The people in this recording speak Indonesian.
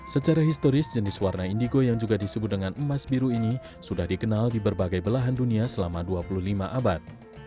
secara historis jenis warna indigo yang juga disebut dengan emas biru ini sudah dikenal di berbagai belahan dunia selama dua puluh lima abad